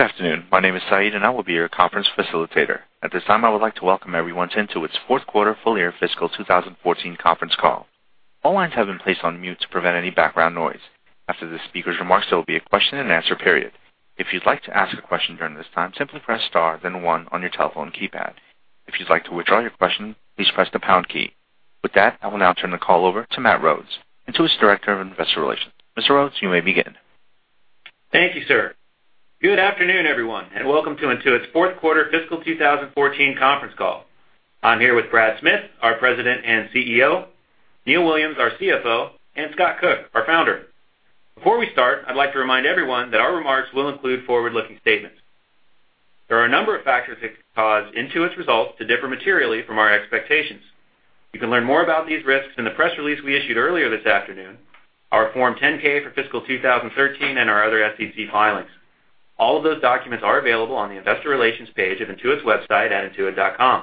Good afternoon. My name is Saeed, and I will be your conference facilitator. At this time, I would like to welcome everyone to Intuit's fourth quarter, full year fiscal 2014 conference call. All lines have been placed on mute to prevent any background noise. After the speaker's remarks, there will be a question and answer period. If you'd like to ask a question during this time, simply press star then one on your telephone keypad. If you'd like to withdraw your question, please press the pound key. With that, I will now turn the call over to Matt Rhodes, Intuit's Director of Investor Relations. Mr. Rhodes, you may begin. Thank you, sir. Good afternoon, everyone, and welcome to Intuit's fourth quarter fiscal 2014 conference call. I'm here with Brad Smith, our President and CEO, Neil Williams, our CFO, and Scott Cook, our Founder. Before we start, I'd like to remind everyone that our remarks will include forward-looking statements. There are a number of factors that could cause Intuit's results to differ materially from our expectations. You can learn more about these risks in the press release we issued earlier this afternoon, our Form 10-K for fiscal 2013, and our other SEC filings. All of those documents are available on the investor relations page of intuit.com.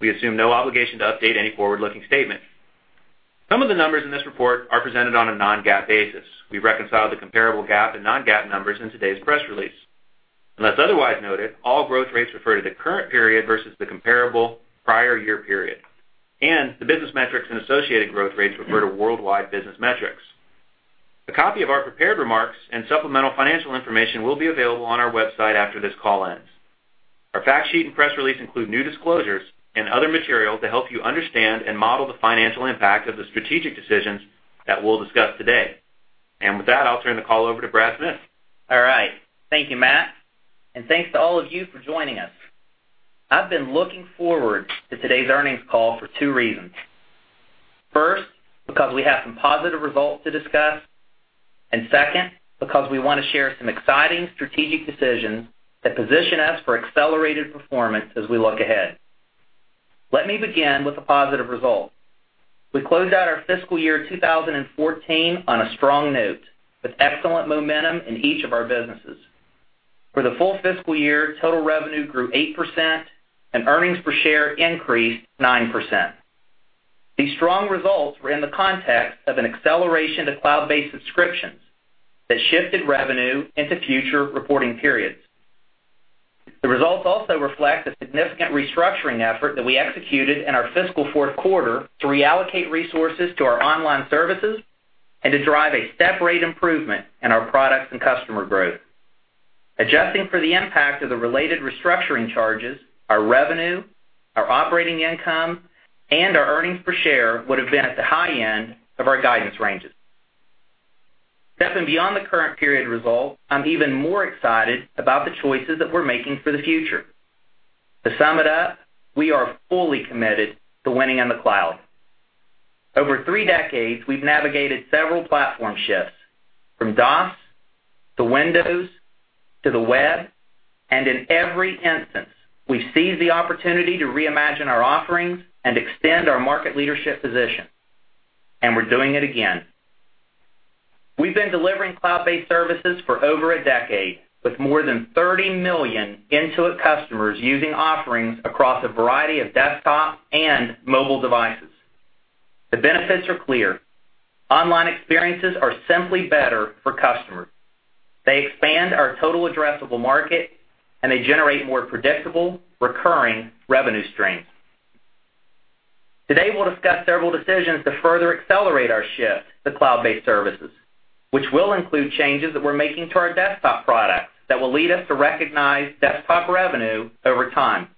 We assume no obligation to update any forward-looking statement. Some of the numbers in this report are presented on a non-GAAP basis. We reconcile the comparable GAAP and non-GAAP numbers in today's press release. Unless otherwise noted, all growth rates refer to the current period versus the comparable prior year period, and the business metrics and associated growth rates refer to worldwide business metrics. A copy of our prepared remarks and supplemental financial information will be available on our website after this call ends. Our fact sheet and press release include new disclosures and other material to help you understand and model the financial impact of the strategic decisions that we'll discuss today. With that, I'll turn the call over to Brad Smith. All right. Thank you, Matt. Thanks to all of you for joining us. I've been looking forward to today's earnings call for two reasons. First, because we have some positive results to discuss, and second, because we want to share some exciting strategic decisions that position us for accelerated performance as we look ahead. Let me begin with the positive results. We closed out our fiscal year 2014 on a strong note with excellent momentum in each of our businesses. For the full fiscal year, total revenue grew 8% and earnings per share increased 9%. These strong results were in the context of an acceleration to cloud-based subscriptions that shifted revenue into future reporting periods. The results also reflect the significant restructuring effort that we executed in our fiscal fourth quarter to reallocate resources to our online services and to drive a step-rate improvement in our products and customer growth. Adjusting for the impact of the related restructuring charges, our revenue, our operating income, and our earnings per share would have been at the high end of our guidance ranges. Stepping beyond the current period results, I'm even more excited about the choices that we're making for the future. To sum it up, we are fully committed to winning on the cloud. Over three decades, we've navigated several platform shifts, from DOS to Windows to the web. In every instance, we've seized the opportunity to reimagine our offerings and extend our market leadership position. We're doing it again. We've been delivering cloud-based services for over a decade, with more than 30 million Intuit customers using offerings across a variety of desktop and mobile devices. The benefits are clear. Online experiences are simply better for customers. They expand our total addressable market. They generate more predictable, recurring revenue streams. Today, we'll discuss several decisions to further accelerate our shift to cloud-based services, which will include changes that we're making to our desktop products that will lead us to recognize desktop revenue over time.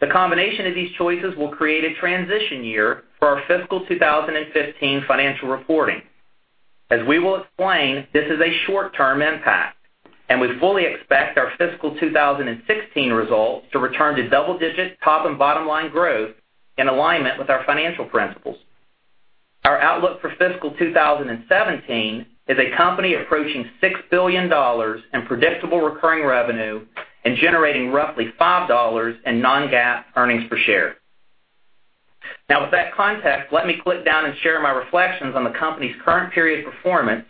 The combination of these choices will create a transition year for our fiscal 2015 financial reporting. As we will explain, this is a short-term impact. We fully expect our fiscal 2016 results to return to double-digit top and bottom-line growth in alignment with our financial principles. Our outlook for fiscal 2017 is a company approaching $6 billion in predictable recurring revenue and generating roughly $5 in non-GAAP earnings per share. With that context, let me click down and share my reflections on the company's current period performance,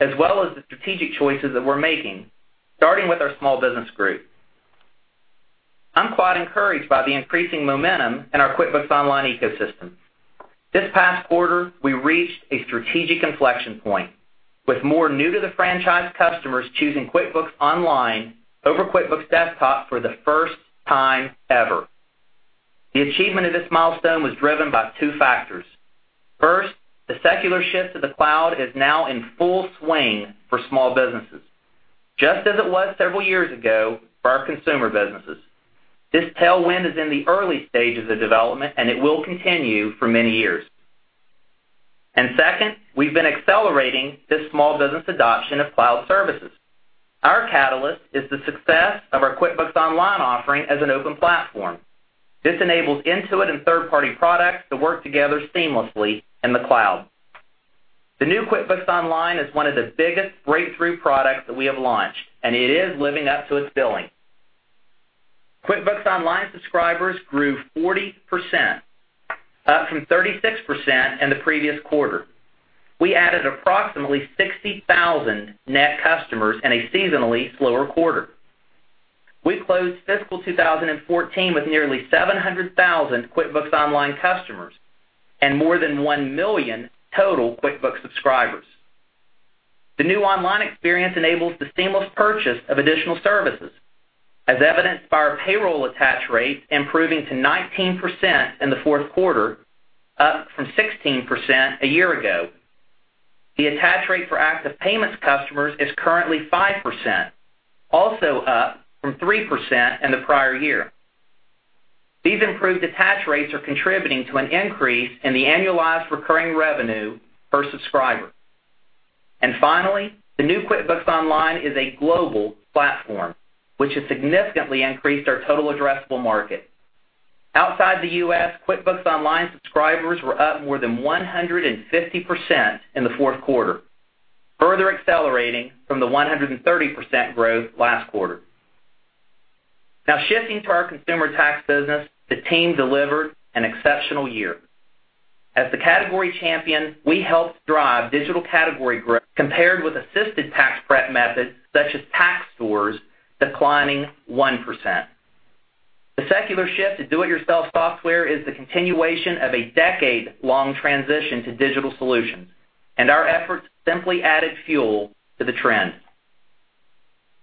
as well as the strategic choices that we're making, starting with our Small Business Group. I'm quite encouraged by the increasing momentum in our QuickBooks Online ecosystem. This past quarter, we reached a strategic inflection point, with more new to the franchise customers choosing QuickBooks Online over QuickBooks Desktop for the first time ever. The achievement of this milestone was driven by two factors. First, the secular shift to the cloud is now in full swing for small businesses, just as it was several years ago for our consumer businesses. This tailwind is in the early stages of development. It will continue for many years. Second, we've been accelerating this small business adoption of cloud services. Our catalyst is the success of our QuickBooks Online offering as an open platform. This enables Intuit and third-party products to work together seamlessly in the cloud. The new QuickBooks Online is one of the biggest breakthrough products that we have launched. It is living up to its billing. QuickBooks Online subscribers grew 40%, up from 36% in the previous quarter. We added approximately 60,000 net customers in a seasonally slower quarter. We closed fiscal 2014 with nearly 700,000 QuickBooks Online customers and more than 1 million total QuickBooks subscribers. The new online experience enables the seamless purchase of additional services, as evidenced by our payroll attach rate improving to 19% in the fourth quarter, up from 16% a year ago. The attach rate for active payments customers is currently 5%, also up from 3% in the prior year. These improved attach rates are contributing to an increase in the Annualized Recurring Revenue per subscriber. Finally, the new QuickBooks Online is a global platform, which has significantly increased our total addressable market. Outside the U.S., QuickBooks Online subscribers were up more than 150% in the fourth quarter, further accelerating from the 130% growth last quarter. Shifting to our consumer tax business, the team delivered an exceptional year. As the category champion, we helped drive digital category growth compared with assisted tax prep methods such as tax stores declining 1%. The secular shift to do-it-yourself software is the continuation of a decade-long transition to digital solutions, our efforts simply added fuel to the trend.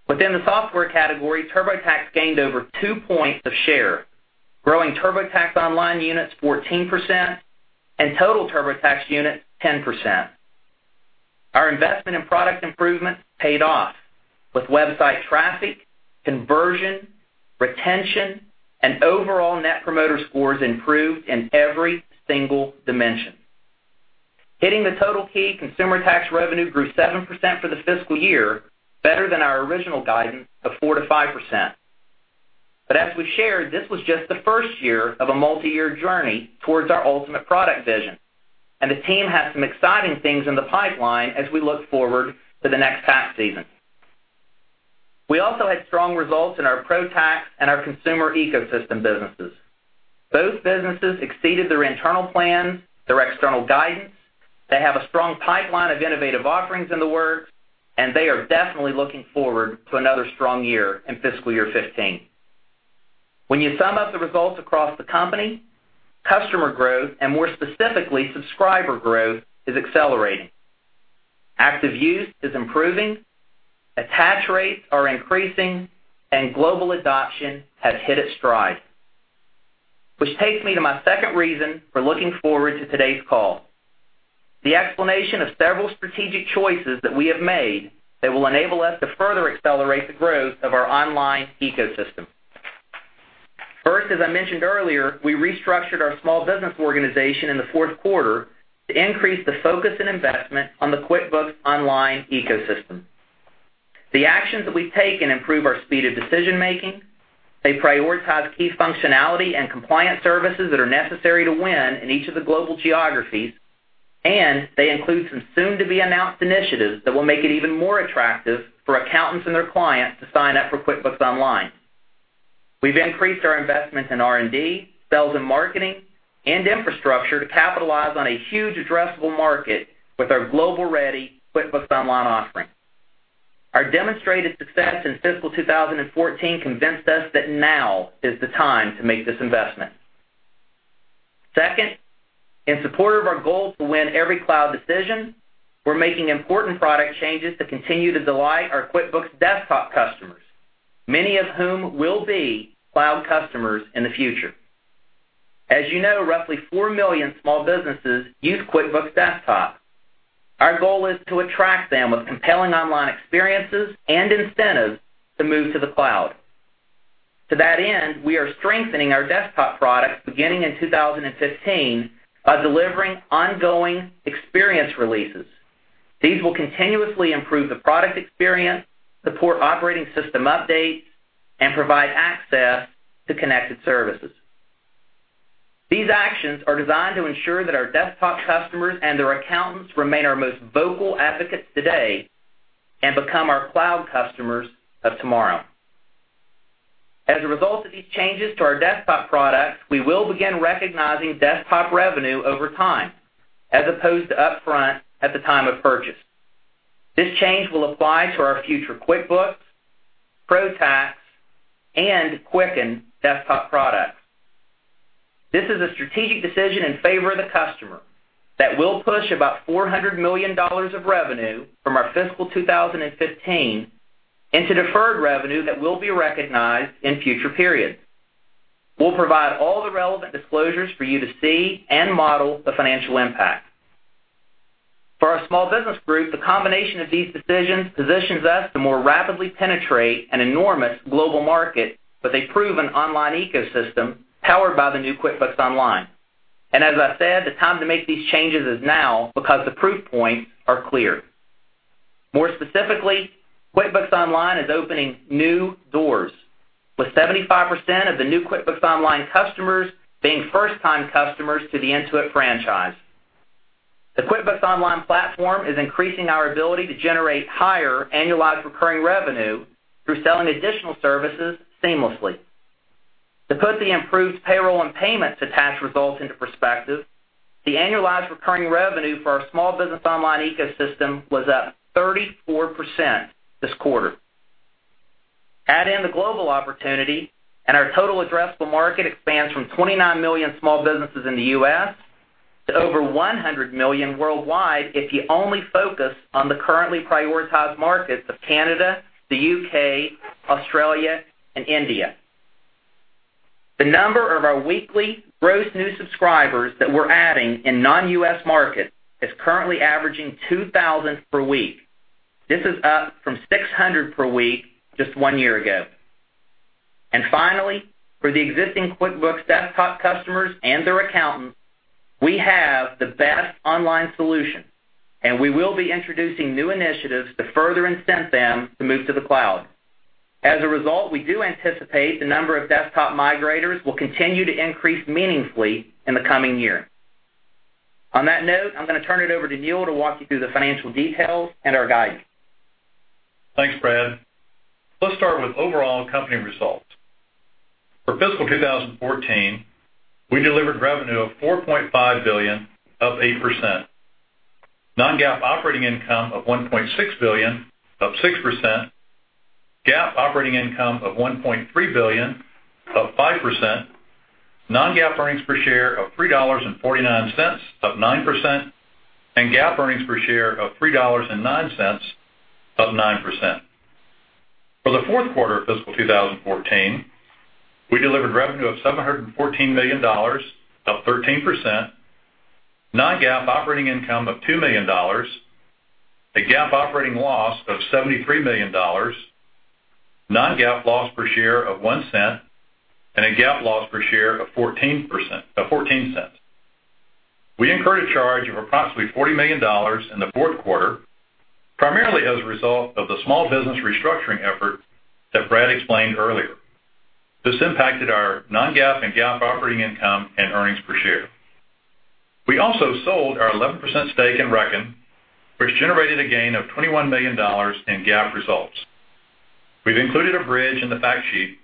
Within the software category, TurboTax gained over two points of share, growing TurboTax Online units 14% and total TurboTax units 10%. Our investment in product improvement paid off, with website traffic, conversion, retention, and overall Net Promoter Scores improved in every single dimension. Hitting the total key, consumer tax revenue grew 7% for the fiscal year, better than our original guidance of 4%-5%. As we shared, this was just the first year of a multi-year journey towards our ultimate product vision. The team has some exciting things in the pipeline as we look forward to the next tax season. We also had strong results in our Pro Tax and our consumer ecosystem businesses. Both businesses exceeded their internal plans, their external guidance, they have a strong pipeline of innovative offerings in the works, they are definitely looking forward to another strong year in fiscal year 2015. You sum up the results across the company, customer growth, more specifically, subscriber growth, is accelerating. Active use is improving, attach rates are increasing, global adoption has hit its stride. Takes me to my second reason for looking forward to today's call. The explanation of several strategic choices that we have made that will enable us to further accelerate the growth of our online ecosystem. First, as I mentioned earlier, we restructured our small business organization in the fourth quarter to increase the focus and investment on the QuickBooks Online ecosystem. The actions that we've taken improve our speed of decision-making, they prioritize key functionality and compliance services that are necessary to win in each of the global geographies, they include some soon-to-be-announced initiatives that will make it even more attractive for accountants and their clients to sign up for QuickBooks Online. We've increased our investment in R&D, sales and marketing, infrastructure to capitalize on a huge addressable market with our global-ready QuickBooks Online offering. Our demonstrated success in fiscal 2014 convinced us that now is the time to make this investment. Second, in support of our goal to win every cloud decision, we're making important product changes to continue to delight our QuickBooks Desktop customers, many of whom will be cloud customers in the future. As you know, roughly four million small businesses use QuickBooks Desktop. Our goal is to attract them with compelling online experiences and incentives to move to the cloud. To that end, we are strengthening our Desktop products beginning in 2015 by delivering ongoing experience releases. These will continuously improve the product experience, support operating system updates, and provide access to connected services. These actions are designed to ensure that our Desktop customers and their accountants remain our most vocal advocates today and become our cloud customers of tomorrow. As a result of these changes to our Desktop product, we will begin recognizing Desktop revenue over time, as opposed to upfront at the time of purchase. This change will apply to our future QuickBooks, Pro Tax, and Quicken Desktop products. This is a strategic decision in favor of the customer that will push about $400 million of revenue from our fiscal 2015 into deferred revenue that will be recognized in future periods. We'll provide all the relevant disclosures for you to see and model the financial impact. For our Small Business Group, the combination of these decisions positions us to more rapidly penetrate an enormous global market with a proven online ecosystem powered by the new QuickBooks Online. As I said, the time to make these changes is now because the proof points are clear. More specifically, QuickBooks Online is opening new doors, with 75% of the new QuickBooks Online customers being first-time customers to the Intuit franchise. The QuickBooks Online platform is increasing our ability to generate higher Annualized Recurring Revenue through selling additional services seamlessly. To put the improved payroll and payments attach results into perspective, the Annualized Recurring Revenue for our small business online ecosystem was up 34% this quarter. Add in the global opportunity, our total addressable market expands from 29 million small businesses in the U.S. to over 100 million worldwide if you only focus on the currently prioritized markets of Canada, the U.K., Australia, and India. The number of our weekly gross new subscribers that we're adding in non-U.S. markets is currently averaging 2,000 per week. This is up from 600 per week just one year ago. Finally, for the existing QuickBooks Desktop customers and their accountants, we have the best online solution, and we will be introducing new initiatives to further incent them to move to the cloud. As a result, we do anticipate the number of desktop migrators will continue to increase meaningfully in the coming year. On that note, I'm going to turn it over to Neil to walk you through the financial details and our guidance. Thanks, Brad. Let's start with overall company results. For fiscal 2014, we delivered revenue of $4.5 billion, up 8%. non-GAAP operating income of $1.6 billion, up 6%, GAAP operating income of $1.3 billion, up 5%, non-GAAP earnings per share of $3.49, up 9%, and GAAP earnings per share of $3.09, up 9%. For the fourth quarter of fiscal 2014, we delivered revenue of $714 million, up 13%, non-GAAP operating income of $2 million, a GAAP operating loss of $73 million, non-GAAP loss per share of $0.01, and a GAAP loss per share of $0.14. We incurred a charge of approximately $40 million in the fourth quarter, primarily as a result of the small business restructuring effort that Brad explained earlier. This impacted our non-GAAP and GAAP operating income and earnings per share. We also sold our 11% stake in Reckon, which generated a gain of $21 million in GAAP results. We've included a bridge in the fact sheet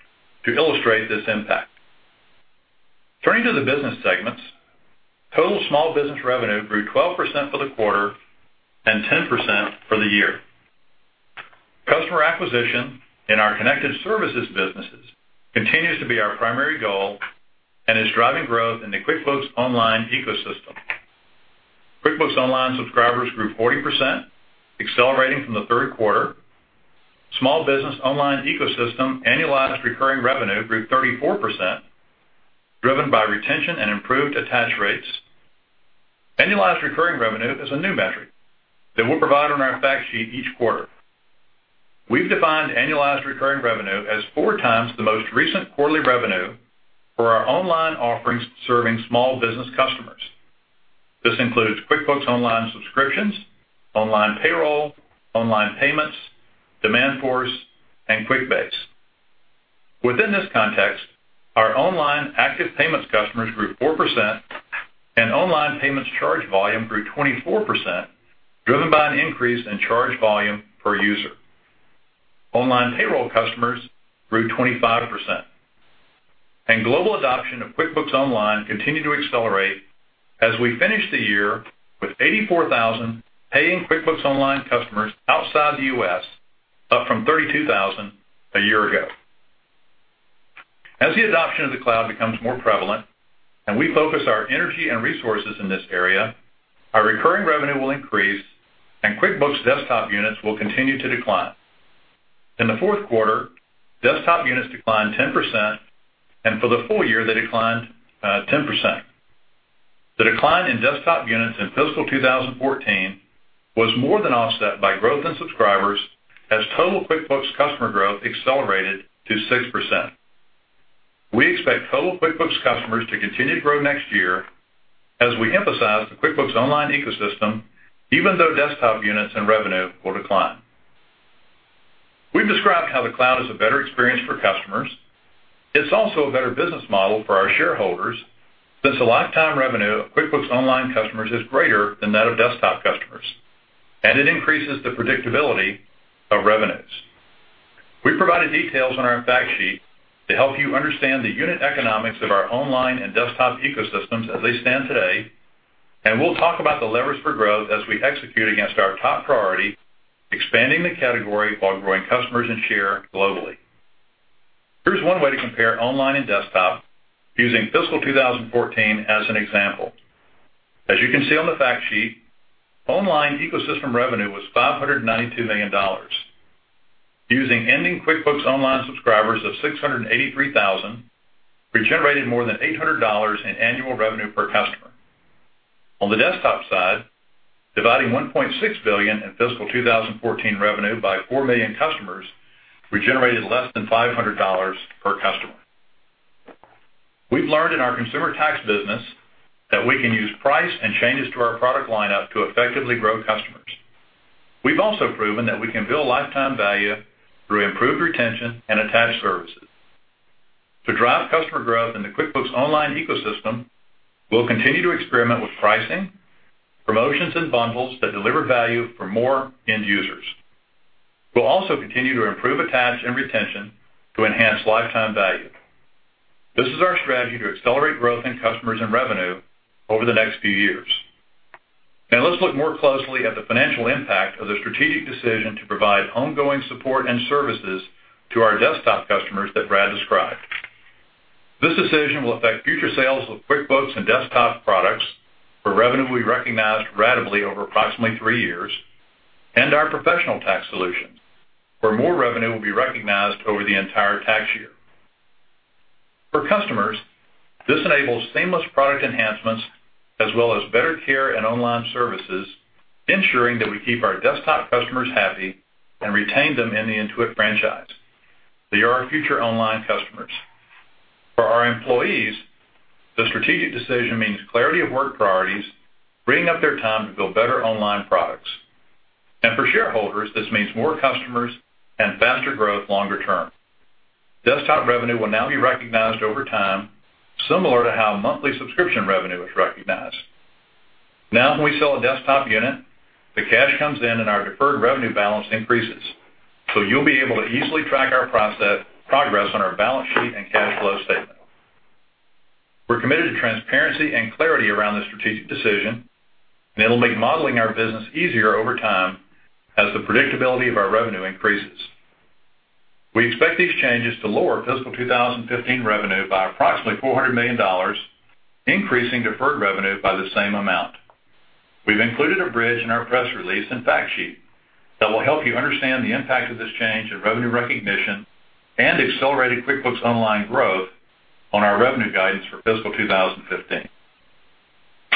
to illustrate this impact. Turning to the business segments, total small business revenue grew 12% for the quarter and 10% for the year. Customer acquisition in our connected services businesses continues to be our primary goal and is driving growth in the QuickBooks Online ecosystem. QuickBooks Online subscribers grew 40%, accelerating from the third quarter. Small business online ecosystem Annualized Recurring Revenue grew 34%, driven by retention and improved attach rates. Annualized Recurring Revenue is a new metric that we'll provide on our fact sheet each quarter. We've defined Annualized Recurring Revenue as four times the most recent quarterly revenue for our online offerings serving small business customers. This includes QuickBooks Online subscriptions, Online Payroll, Online Payments, Demandforce, and QuickBase. Within this context, our online active payments customers grew 4% and Online Payments charge volume grew 24%, driven by an increase in charge volume per user. Online Payroll customers grew 25%. Global adoption of QuickBooks Online continued to accelerate as we finished the year with 84,000 paying QuickBooks Online customers outside the U.S., up from 32,000 a year ago. As the adoption of the cloud becomes more prevalent and we focus our energy and resources in this area, our recurring revenue will increase and QuickBooks Desktop units will continue to decline. In the fourth quarter, Desktop units declined 10%, and for the full year, they declined 10%. The decline in Desktop units in fiscal 2014 was more than offset by growth in subscribers as total QuickBooks customer growth accelerated to 6%. We expect total QuickBooks customers to continue to grow next year as we emphasize the QuickBooks Online ecosystem, even though Desktop units and revenue will decline. We've described how the cloud is a better experience for customers. It's also a better business model for our shareholders, since the lifetime revenue of QuickBooks Online customers is greater than that of Desktop customers, and it increases the predictability of revenues. We provided details on our fact sheet to help you understand the unit economics of our online and Desktop ecosystems as they stand today, and we'll talk about the levers for growth as we execute against our top priority, expanding the category while growing customers and share globally. Here's one way to compare online and Desktop, using fiscal 2014 as an example. As you can see on the fact sheet, online ecosystem revenue was $592 million. Using ending QuickBooks Online subscribers of 683,000, we generated more than $800 in annual revenue per customer. On the Desktop side, dividing $1.6 billion in fiscal 2014 revenue by 4 million customers, we generated less than $500 per customer. We've learned in our consumer tax business that we can use price and changes to our product lineup to effectively grow customers. We've also proven that we can build lifetime value through improved retention and attached services. To drive customer growth in the QuickBooks Online ecosystem, we'll continue to experiment with pricing, promotions, and bundles that deliver value for more end users. We'll also continue to improve attach and retention to enhance lifetime value. This is our strategy to accelerate growth in customers and revenue over the next few years. Let's look more closely at the financial impact of the strategic decision to provide ongoing support and services to our Desktop customers that Brad described. This decision will affect future sales of QuickBooks and Desktop products, where revenue will be recognized ratably over approximately three years, and our professional tax solutions, where more revenue will be recognized over the entire tax year. For customers, this enables seamless product enhancements as well as better care and online services, ensuring that we keep our Desktop customers happy and retain them in the Intuit franchise. They are our future online customers. For our employees, the strategic decision means clarity of work priorities, freeing up their time to build better online products. For shareholders, this means more customers and faster growth longer term. Desktop revenue will now be recognized over time, similar to how monthly subscription revenue is recognized. When we sell a Desktop unit, the cash comes in and our deferred revenue balance increases. You'll be able to easily track our progress on our balance sheet and cash flow statement. We're committed to transparency and clarity around the strategic decision, it'll make modeling our business easier over time as the predictability of our revenue increases. We expect these changes to lower fiscal 2015 revenue by approximately $400 million, increasing deferred revenue by the same amount. We've included a bridge in our press release and fact sheet that will help you understand the impact of this change in revenue recognition and accelerated QuickBooks Online growth on our revenue guidance for fiscal 2015.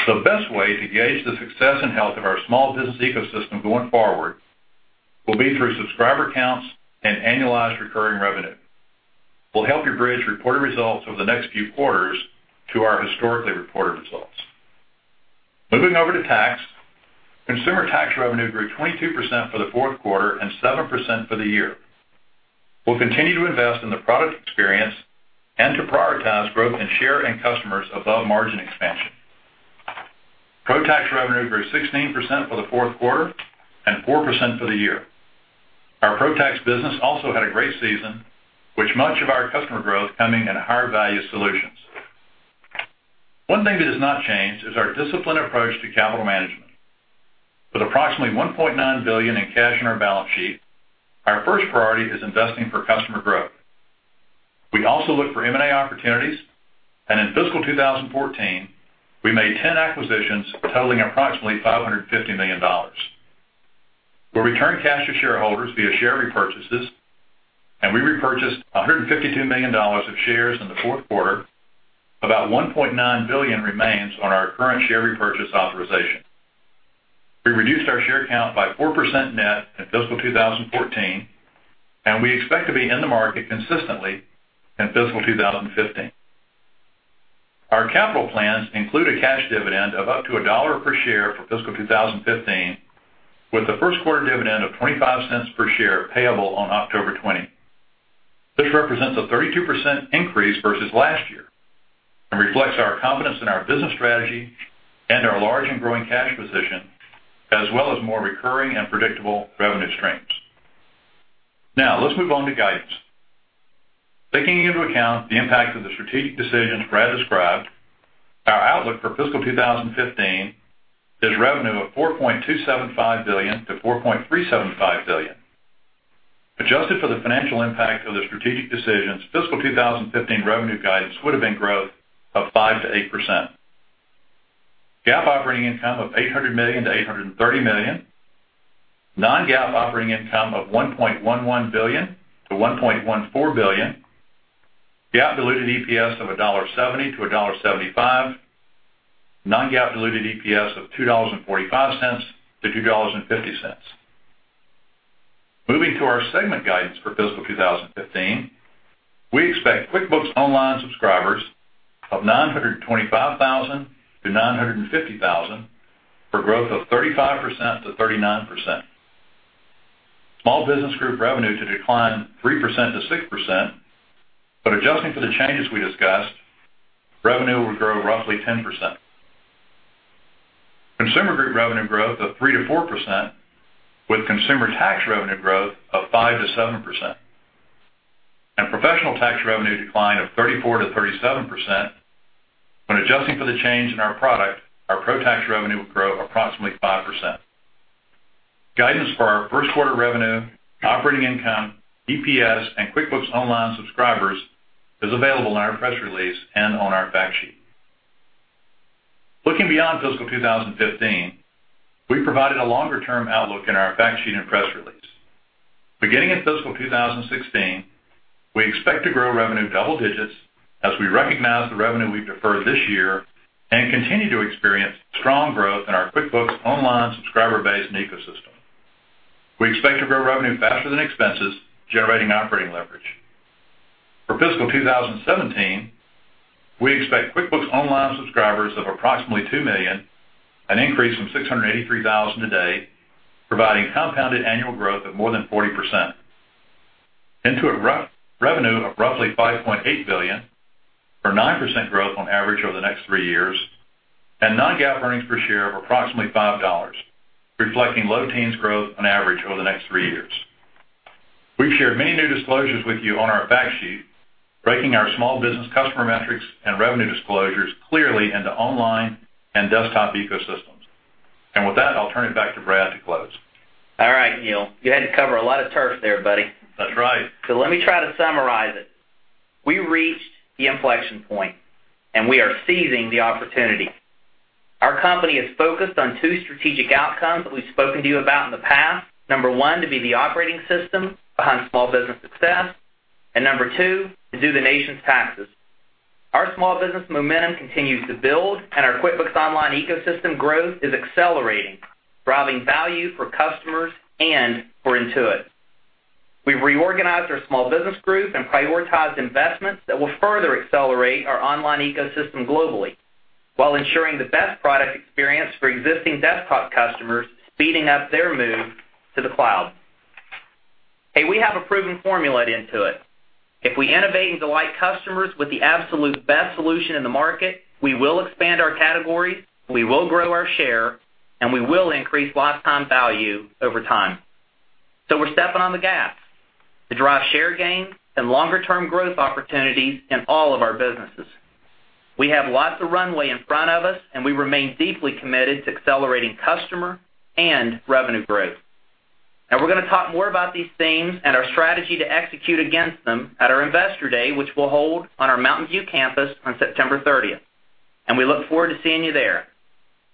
The best way to gauge the success and health of our small business ecosystem going forward will be through subscriber counts and Annualized Recurring Revenue. We'll help you bridge reported results over the next few quarters to our historically reported results. Moving over to tax. Consumer tax revenue grew 22% for the fourth quarter and 7% for the year. We'll continue to invest in the product experience and to prioritize growth in share and customers above margin expansion. Pro Tax revenue grew 16% for the fourth quarter and 4% for the year. Our Pro Tax business also had a great season, with much of our customer growth coming in higher-value solutions. One thing that has not changed is our disciplined approach to capital management. With approximately $1.9 billion in cash on our balance sheet, our first priority is investing for customer growth. We also look for M&A opportunities, in fiscal 2014, we made 10 acquisitions totaling approximately $550 million. We return cash to shareholders via share repurchases, we repurchased $152 million of shares in the fourth quarter. About $1.9 billion remains on our current share repurchase authorization. We reduced our share count by 4% net in fiscal 2014, we expect to be in the market consistently in fiscal 2015. Our capital plans include a cash dividend of up to $1 per share for fiscal 2015, with the first quarter dividend of $0.25 per share payable on October 20. This represents a 32% increase versus last year and reflects our confidence in our business strategy and our large and growing cash position, as well as more recurring and predictable revenue streams. Let's move on to guidance. Taking into account the impact of the strategic decisions Brad described, our outlook for fiscal 2015 is revenue of $4.275 billion to $4.375 billion. Adjusted for the financial impact of the strategic decisions, fiscal 2015 revenue guidance would've been growth of 5%-8%. GAAP operating income of $800 million-$830 million. Non-GAAP operating income of $1.11 billion-$1.14 billion. GAAP diluted EPS of $1.70-$1.75. Non-GAAP diluted EPS of $2.45-$2.50. Moving to our segment guidance for fiscal 2015, we expect QuickBooks Online subscribers of 925,000-950,000, for growth of 35%-39%. Small Business Group revenue to decline 3%-6%, but adjusting for the changes we discussed, revenue will grow roughly 10%. Consumer Group revenue growth of 3%-4%, with consumer tax revenue growth of 5%-7%. And Pro Tax revenue decline of 34%-37%. When adjusting for the change in our product, our Pro Tax revenue will grow approximately 5%. Guidance for our first quarter revenue, operating income, EPS, and QuickBooks Online subscribers is available in our press release and on our fact sheet. Looking beyond fiscal 2015, we provided a longer-term outlook in our fact sheet and press release. Beginning in fiscal 2016, we expect to grow revenue double digits as we recognize the revenue we've deferred this year and continue to experience strong growth in our QuickBooks Online subscriber base and ecosystem. We expect to grow revenue faster than expenses, generating operating leverage. For fiscal 2017, we expect QuickBooks Online subscribers of approximately 2 million, an increase from 683,000 today, providing compounded annual growth of more than 40%. Intuit revenue of roughly $5.8 billion, or 9% growth on average over the next three years, and non-GAAP earnings per share of approximately $5, reflecting low teens growth on average over the next three years. We've shared many new disclosures with you on our fact sheet, breaking our Small Business customer metrics and revenue disclosures clearly into online and desktop ecosystems. With that, I'll turn it back to Brad to close. All right, Neil. You had to cover a lot of turf there, buddy. That's right. Let me try to summarize it. We reached the inflection point, and we are seizing the opportunity. Our company is focused on two strategic outcomes that we've spoken to you about in the past. Number one, to be the operating system behind small business success, and number two, to do the nation's taxes. Our small business momentum continues to build, and our QuickBooks Online ecosystem growth is accelerating, driving value for customers and for Intuit. We've reorganized our Small Business Group and prioritized investments that will further accelerate our online ecosystem globally, while ensuring the best product experience for existing desktop customers, speeding up their move to the cloud. Hey, we have a proven formula at Intuit. If we innovate and delight customers with the absolute best solution in the market, we will expand our categories, we will grow our share, and we will increase lifetime value over time. We're stepping on the gas to drive share gains and longer-term growth opportunities in all of our businesses. We have lots of runway in front of us, and we remain deeply committed to accelerating customer and revenue growth. We're going to talk more about these themes and our strategy to execute against them at our Investor Day, which we'll hold on our Mountain View campus on September 30th. We look forward to seeing you there.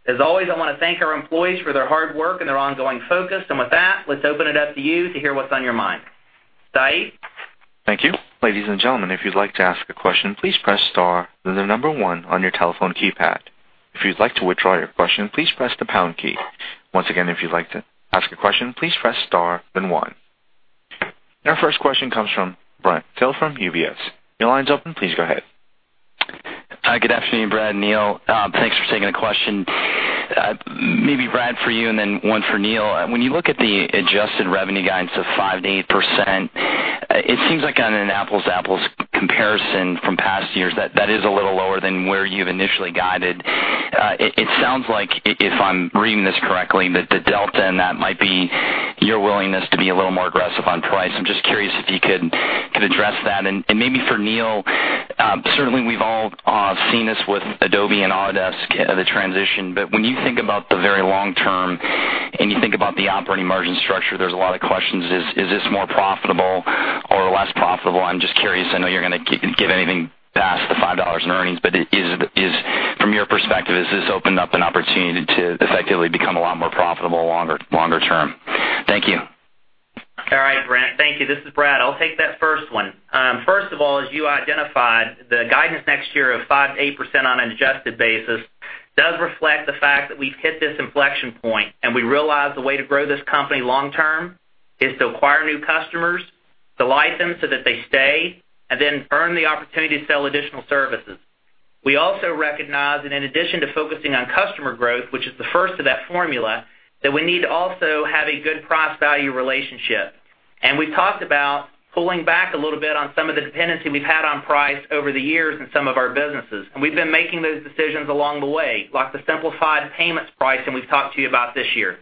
As always, I want to thank our employees for their hard work and their ongoing focus. With that, let's open it up to you to hear what's on your mind. Saeed? Thank you. Ladies and gentlemen, if you'd like to ask a question, please press star, then the number one on your telephone keypad. If you'd like to withdraw your question, please press the pound key. Once again, if you'd like to ask a question, please press star, then one. Our first question comes from Brent Thill from UBS. Your line's open. Please go ahead. Hi, good afternoon, Brad and Neil. Thanks for taking the question. Maybe Brad for you, then one for Neil. When you look at the adjusted revenue guidance of 5%-8%, it seems like on an apples comparison from past years, that is a little lower than where you've initially guided. It sounds like, if I'm reading this correctly, that the delta in that might be your willingness to be a little more aggressive on price. I'm just curious if you could address that. Maybe for Neil, certainly we've all seen this with Adobe and Autodesk, the transition. When you think about the very long term and you think about the operating margin structure, there's a lot of questions. Is this more profitable or less profitable? I'm just curious. I know you're not going to give anything past the $5 in earnings, from your perspective, has this opened up an opportunity to effectively become a lot more profitable longer term? Thank you. All right, Brent. Thank you. This is Brad. I'll take that first one. First of all, as you identified, the guidance next year of 5%-8% on an adjusted basis does reflect the fact that we've hit this inflection point, we realize the way to grow this company long term is to acquire new customers, delight them so that they stay, then earn the opportunity to sell additional services. We also recognize that in addition to focusing on customer growth, which is the first of that formula, that we need to also have a good price-value relationship. We've talked about pulling back a little bit on some of the dependency we've had on price over the years in some of our businesses. We've been making those decisions along the way, like the simplified payments price that we've talked to you about this year.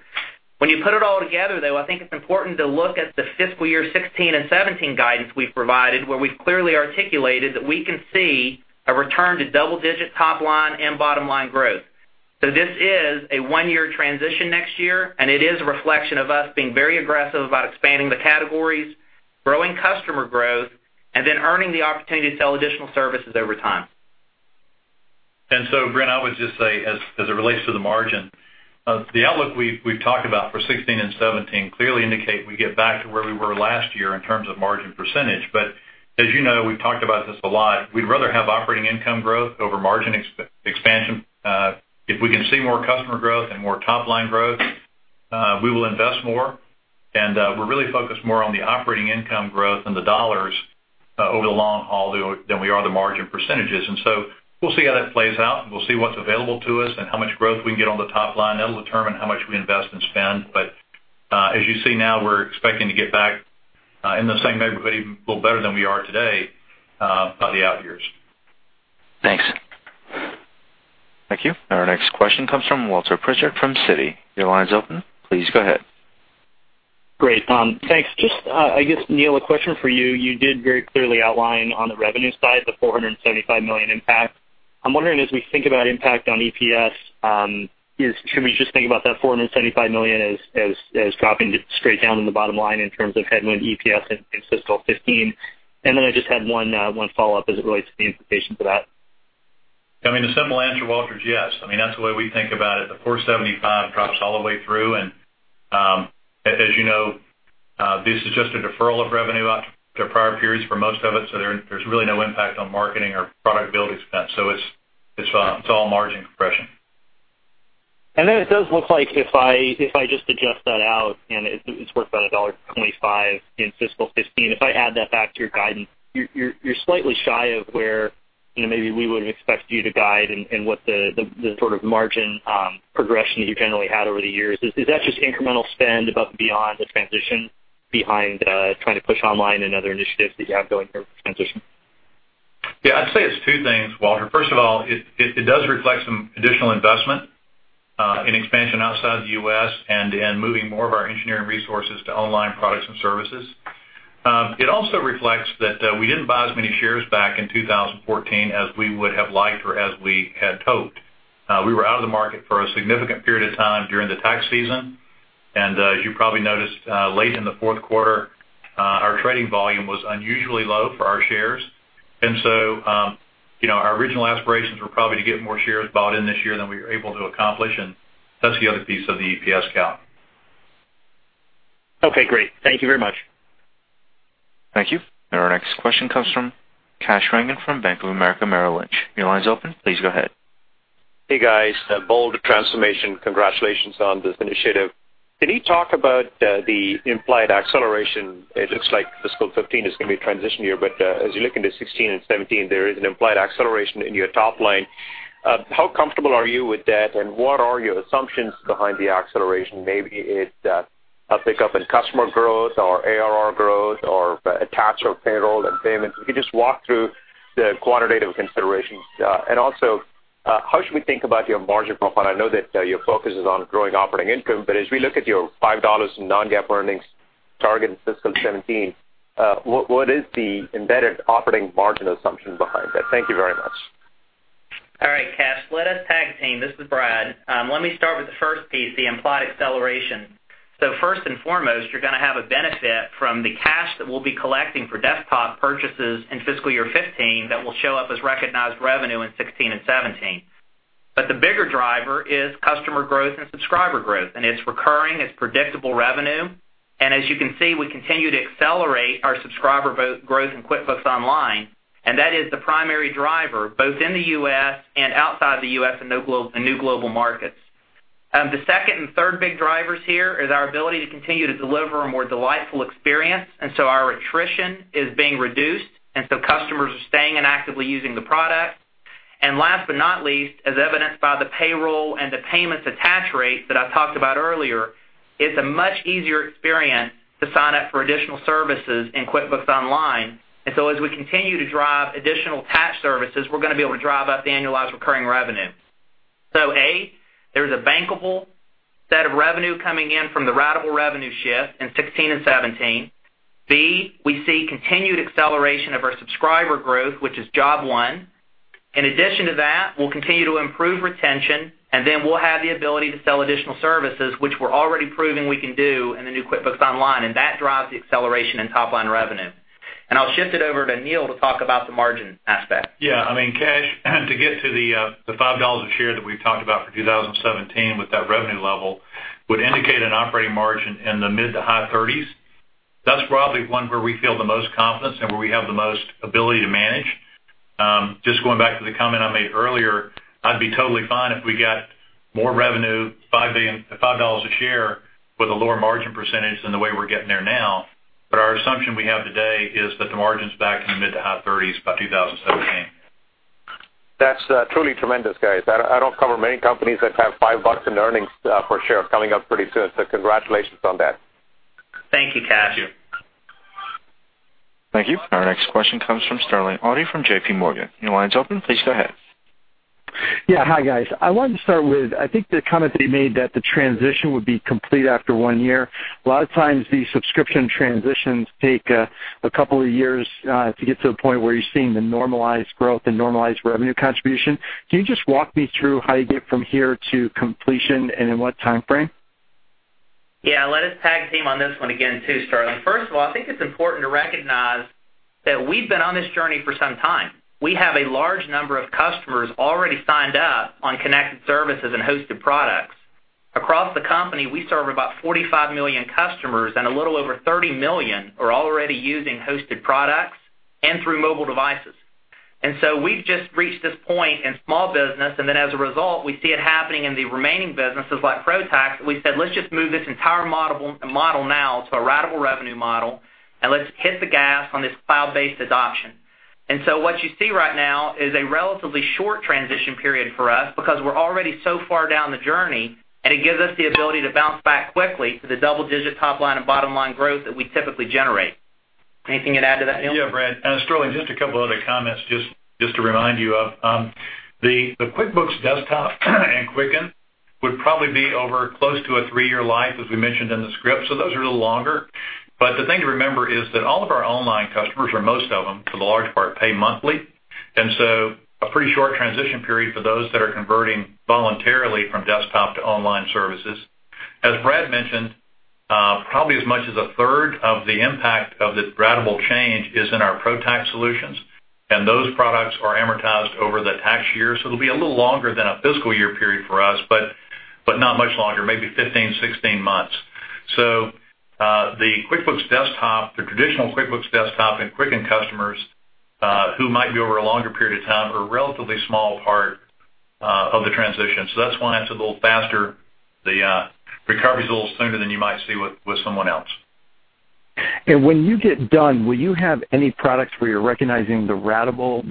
When you put it all together, though, I think it's important to look at the fiscal year 2016 and 2017 guidance we've provided, where we've clearly articulated that we can see a return to double-digit top-line and bottom-line growth. This is a one-year transition next year, it is a reflection of us being very aggressive about expanding the categories, growing customer growth, then earning the opportunity to sell additional services over time. Brent, I would just say, as it relates to the margin, the outlook we've talked about for 2016 and 2017 clearly indicate we get back to where we were last year in terms of margin percentage. As you know, we've talked about this a lot. We'd rather have operating income growth over margin expansion. If we can see more customer growth and more top-line growth, we will invest more. We're really focused more on the operating income growth and the dollars over the long haul than we are the margin percentages. We'll see how that plays out, and we'll see what's available to us and how much growth we can get on the top line. That'll determine how much we invest and spend. As you see now, we're expecting to get back in the same neighborhood, even a little better than we are today, by the out years. Thanks. Thank you. Our next question comes from Walter Pritchard from Citi. Your line is open. Please go ahead. Great. Thanks. Just, I guess, Neil, a question for you. You did very clearly outline on the revenue side, the $475 million impact. I'm wondering, as we think about impact on EPS, should we just think about that $475 million as dropping straight down in the bottom line in terms of headwind EPS in fiscal 2015? I just had one follow-up as it relates to the implication for that. I mean, the simple answer, Walter, is yes. That's the way we think about it. The $475 drops all the way through, as you know, this is just a deferral of revenue out to prior periods for most of it, there's really no impact on marketing or product build expense. It's all margin compression. It does look like if I just adjust that out, it's worth about $1.25 in fiscal 2015. If I add that back to your guidance, you're slightly shy of where Maybe we would have expected you to guide in what the sort of margin progression you generally had over the years. Is that just incremental spend above and beyond the transition behind trying to push online and other initiatives that you have going through transition? Yeah, I'd say it's two things, Walter. First of all, it does reflect some additional investment in expansion outside the U.S. and in moving more of our engineering resources to online products and services. It also reflects that we didn't buy as many shares back in 2014 as we would have liked or as we had hoped. We were out of the market for a significant period of time during the tax season, as you probably noticed, late in the fourth quarter, our trading volume was unusually low for our shares. Our original aspirations were probably to get more shares bought in this year than we were able to accomplish, that's the other piece of the EPS count. Okay, great. Thank you very much. Thank you. Our next question comes from Kash Rangan from Bank of America Merrill Lynch. Your line's open, please go ahead. Hey, guys. Bold transformation. Congratulations on this initiative. Can you talk about the implied acceleration? It looks like fiscal 2015 is going to be a transition year, but as you look into 2016 and 2017, there is an implied acceleration in your top line. How comfortable are you with that, and what are your assumptions behind the acceleration? Maybe it's a pickup in customer growth or ARR growth or attach of payroll and payments. If you could just walk through the quantitative considerations. Also, how should we think about your margin profile? I know that your focus is on growing operating income, but as we look at your $5 non-GAAP earnings target in fiscal 2017, what is the embedded operating margin assumption behind that? Thank you very much. All right, Kash. Let us tag-team. This is Brad. Let me start with the first piece, the implied acceleration. First and foremost, you're going to have a benefit from the cash that we'll be collecting for desktop purchases in fiscal year 2015 that will show up as recognized revenue in 2016 and 2017. The bigger driver is customer growth and subscriber growth, and it's recurring, it's predictable revenue. As you can see, we continue to accelerate our subscriber growth in QuickBooks Online, and that is the primary driver, both in the U.S. and outside the U.S. in new global markets. The second and third big drivers here is our ability to continue to deliver a more delightful experience, and so our attrition is being reduced, and so customers are staying and actively using the product. Last but not least, as evidenced by the payroll and the payments attach rate that I talked about earlier, it's a much easier experience to sign up for additional services in QuickBooks Online. As we continue to drive additional attach services, we're going to be able to drive up the Annualized Recurring Revenue. A, there's a bankable set of revenue coming in from the ratable revenue shift in 2016 and 2017. B, we see continued acceleration of our subscriber growth, which is job one. In addition to that, we'll continue to improve retention, and then we'll have the ability to sell additional services, which we're already proving we can do in the new QuickBooks Online, and that drives the acceleration in top-line revenue. I'll shift it over to Neil to talk about the margin aspect. I mean, Kash, to get to the $5 a share that we've talked about for 2017 with that revenue level would indicate an operating margin in the mid to high 30s. That's probably one where we feel the most confidence and where we have the most ability to manage. Just going back to the comment I made earlier, I'd be totally fine if we got more revenue, $5 a share with a lower margin percentage than the way we're getting there now. Our assumption we have today is that the margin's back in the mid to high 30s by 2017. That's truly tremendous, guys. I don't cover many companies that have $5 in earnings per share coming up pretty soon. Congratulations on that. Thank you, Kash. Thank you. Thank you. Our next question comes from Sterling Auty from J.P. Morgan. Your line's open. Please go ahead. Yeah. Hi, guys. I wanted to start with, I think the comment that you made that the transition would be complete after one year. A lot of times these subscription transitions take a couple of years to get to the point where you're seeing the normalized growth and normalized revenue contribution. Can you just walk me through how you get from here to completion and in what time frame? Yeah. Let us tag-team on this one again too, Sterling. First of all, I think it's important to recognize that we've been on this journey for some time. We have a large number of customers already signed up on connected services and hosted products. Across the company, we serve about 45 million customers, and a little over 30 million are already using hosted products and through mobile devices. We've just reached this point in small business, and then as a result, we see it happening in the remaining businesses like Pro Tax. We said, let's just move this entire model now to a ratable revenue model, and let's hit the gas on this cloud-based adoption. What you see right now is a relatively short transition period for us because we're already so far down the journey, and it gives us the ability to bounce back quickly to the double-digit top-line and bottom-line growth that we typically generate. Anything you'd add to that, Neil? Yeah, Brad. Sterling, just a couple other comments just to remind you of. The QuickBooks Desktop and Quicken would probably be over close to a 3-year life, as we mentioned in the script, those are a little longer. The thing to remember is that all of our online customers, or most of them, for the large part, pay monthly, a pretty short transition period for those that are converting voluntarily from desktop to online services. As Brad mentioned, probably as much as a third of the impact of this ratable change is in our Pro Tax solutions, and those products are amortized over the tax year. It'll be a little longer than a fiscal year period for us, but not much longer, maybe 15, 16 months. The QuickBooks Desktop, the traditional QuickBooks Desktop, and Quicken customers who might be over a longer period of time are a relatively small part of the transition. That's why it's a little faster, the recovery's a little sooner than you might see with someone else. When you get done, will you have any products where you're recognizing the revenue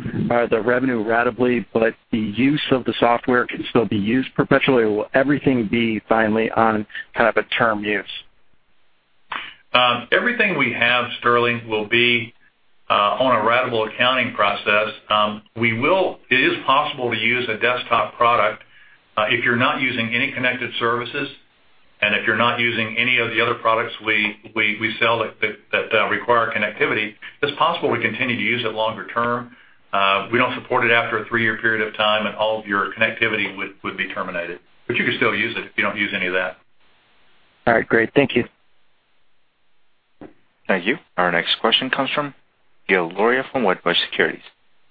ratably, but the use of the software can still be used perpetually? Or will everything be finally on a term use? Everything we have, Sterling, will be on a ratable accounting process. It is possible to use a desktop product. If you're not using any connected services, and if you're not using any of the other products we sell that require connectivity, it's possible to continue to use it longer term. We don't support it after a 3-year period of time, and all of your connectivity would be terminated. You could still use it if you don't use any of that. All right, great. Thank you. Thank you. Our next question comes from Gil Luria from Wedbush Securities.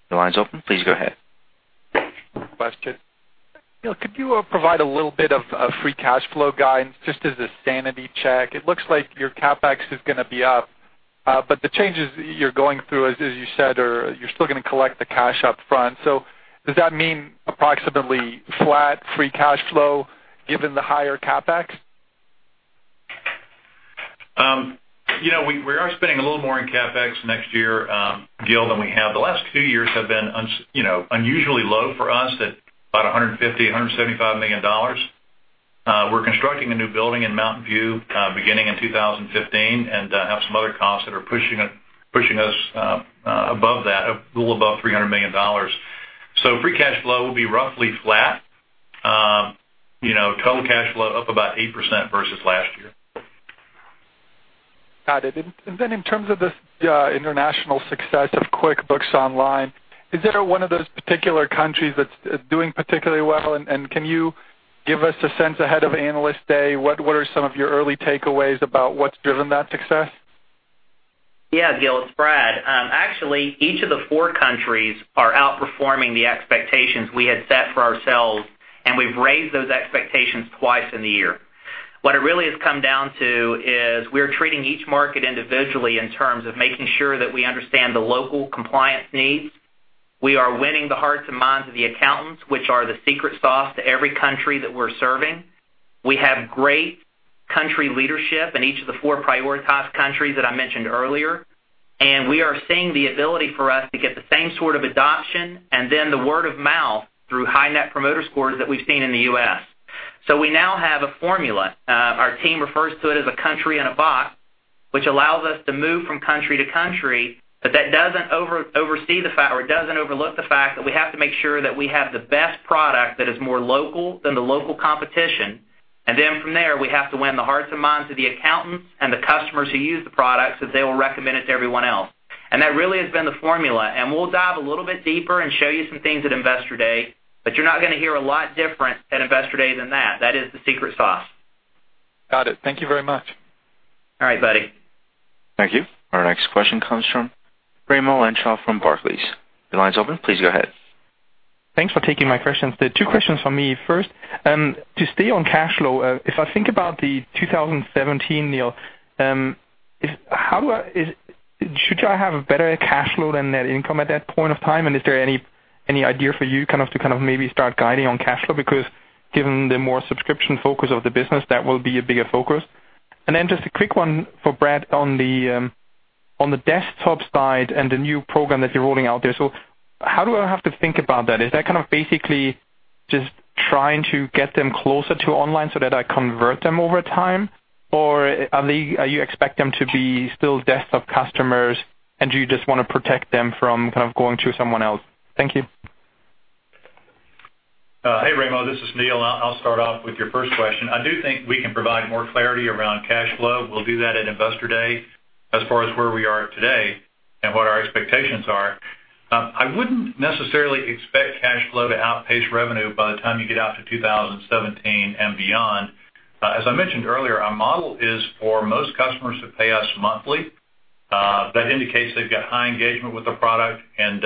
Your line's open. Please go ahead. Thanks for the question. Neil, could you provide a little bit of free cash flow guidance, just as a sanity check? It looks like your CapEx is going to be up. The changes you're going through, as you said, you're still going to collect the cash up front. Does that mean approximately flat free cash flow, given the higher CapEx? We are spending a little more in CapEx next year, Gil, than we have. The last few years have been unusually low for us, at about $150 million, $175 million. We're constructing a new building in Mountain View beginning in 2015 and have some other costs that are pushing us above that, a little above $300 million. Free cash flow will be roughly flat. Total cash flow up about 8% versus last year. Got it. In terms of the international success of QuickBooks Online, is there one of those particular countries that's doing particularly well? Can you give us a sense ahead of Investor Day, what are some of your early takeaways about what's driven that success? Yeah, Gil, it's Brad. Actually, each of the four countries are outperforming the expectations we had set for ourselves, we've raised those expectations twice in the year. What it really has come down to is we are treating each market individually in terms of making sure that we understand the local compliance needs. We are winning the hearts and minds of the accountants, which are the secret sauce to every country that we're serving. We have great country leadership in each of the four prioritized countries that I mentioned earlier, we are seeing the ability for us to get the same sort of adoption and then the word of mouth through high Net Promoter Scores that we've seen in the U.S. We now have a formula. Our team refers to it as a country in a box, which allows us to move from country to country, that doesn't oversee the fact, or it doesn't overlook the fact that we have to make sure that we have the best product that is more local than the local competition. From there, we have to win the hearts and minds of the accountants and the customers who use the product, so they will recommend it to everyone else. That really has been the formula. We'll dive a little bit deeper and show you some things at Investor Day, but you're not going to hear a lot different at Investor Day than that. That is the secret sauce. Got it. Thank you very much. All right, buddy. Thank you. Our next question comes from Raimo Lenschow from Barclays. Your line's open. Please go ahead. Thanks for taking my questions. Two questions from me. First, to stay on cash flow, if I think about the 2017, Neil, should I have a better cash flow than net income at that point of time? Is there any idea for you to maybe start guiding on cash flow? Because given the more subscription focus of the business, that will be a bigger focus. Just a quick one for Brad on the desktop side and the new program that you're rolling out there. How do I have to think about that? Is that basically just trying to get them closer to online so that I convert them over time? Or are you expect them to be still desktop customers, and you just want to protect them from going to someone else? Thank you. Hey, Raimo, this is Neil. I'll start off with your first question. I do think we can provide more clarity around cash flow. We'll do that at Investor Day as far as where we are today and what our expectations are. I wouldn't necessarily expect cash flow to outpace revenue by the time you get out to 2017 and beyond. As I mentioned earlier, our model is for most customers to pay us monthly. That indicates they've got high engagement with the product, and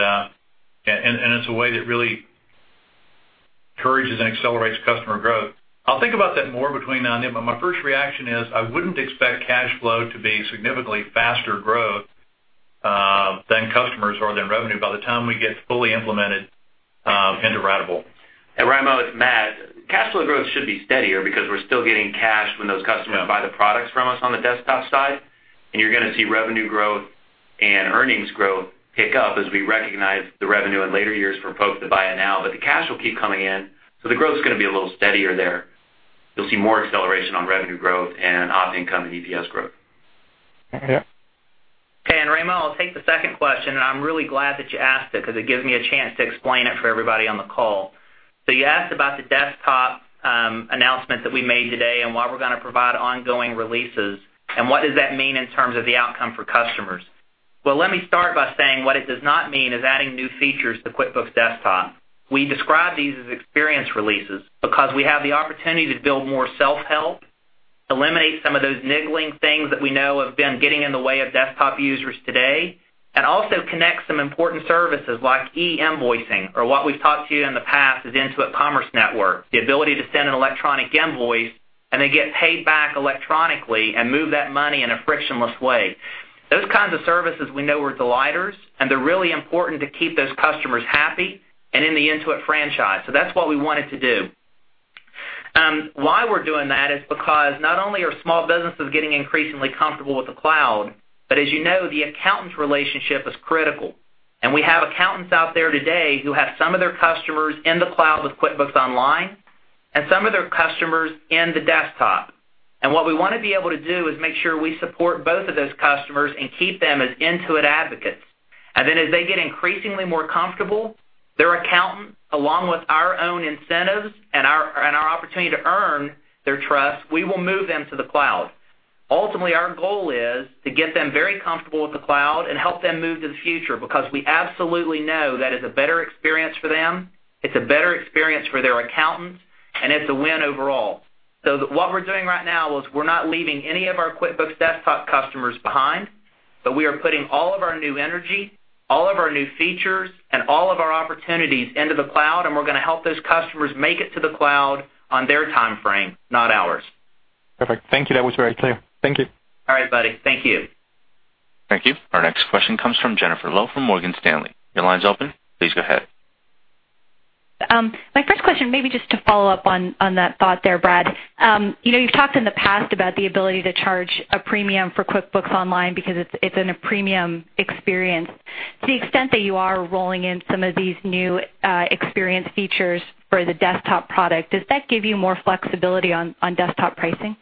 it's a way that really encourages and accelerates customer growth. I'll think about that more between now and then, but my first reaction is I wouldn't expect cash flow to be significantly faster growth than customers or than revenue by the time we get fully implemented into ratable. Raimo, it's Matt. Cash flow growth should be steadier because we're still getting cash when those customers buy the products from us on the desktop side, and you're going to see revenue growth and earnings growth pick up as we recognize the revenue in later years for folks that buy it now. The cash will keep coming in, the growth's going to be a little steadier there. You'll see more acceleration on revenue growth and op income and EPS growth. Okay. Raimo, I'll take the second question, I'm really glad that you asked it because it gives me a chance to explain it for everybody on the call. You asked about the desktop announcement that we made today why we're going to provide ongoing releases, what does that mean in terms of the outcome for customers? Let me start by saying what it does not mean is adding new features to QuickBooks Desktop. We describe these as experience releases because we have the opportunity to build more self-help, eliminate some of those niggling things that we know have been getting in the way of desktop users today, also connect some important services like e-invoicing, or what we've talked to you in the past is QuickBooks Business Network, the ability to send an electronic invoice and then get paid back electronically and move that money in a frictionless way. Those kinds of services we know are delighters, they're really important to keep those customers happy and in the Intuit franchise. That's what we wanted to do. Why we're doing that is because not only are small businesses getting increasingly comfortable with the cloud, as you know, the accountant relationship is critical. We have accountants out there today who have some of their customers in the cloud with QuickBooks Online and some of their customers in the Desktop. What we want to be able to do is make sure we support both of those customers keep them as Intuit advocates. As they get increasingly more comfortable, their accountant, along with our own incentives our opportunity to earn their trust, we will move them to the cloud. Ultimately, our goal is to get them very comfortable with the cloud and help them move to the future, we absolutely know that is a better experience for them, it's a better experience for their accountants, it's a win overall. What we're doing right now is we're not leaving any of our QuickBooks Desktop customers behind, but we are putting all of our new energy, all of our new features, and all of our opportunities into the cloud, and we're going to help those customers make it to the cloud on their timeframe, not ours. Perfect. Thank you. That was very clear. Thank you. All right, buddy. Thank you. Thank you. Our next question comes from Jennifer Lowe from Morgan Stanley. Your line's open. Please go ahead. My first question, maybe just to follow up on that thought there, Brad. You've talked in the past about the ability to charge a premium for QuickBooks Online because it's in a premium experience. To the extent that you are rolling in some of these new experience features for the Desktop product, does that give you more flexibility on Desktop pricing?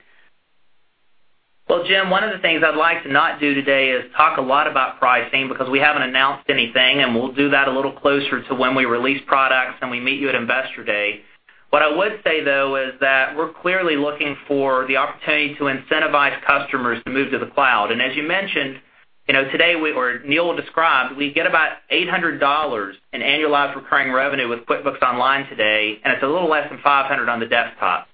Well, Jen, one of the things I'd like to not do today is talk a lot about pricing because we haven't announced anything, and we'll do that a little closer to when we release products and we meet you at Investor Day. What I would say, though, is that we're clearly looking for the opportunity to incentivize customers to move to the cloud. As you mentioned, today we, or Neil described, we get about $800 in Annualized Recurring Revenue with QuickBooks Online today, and it's a little less than $500 on the Desktop.